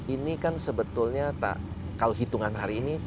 ini kan sebetulnya kalau hitungan hari ini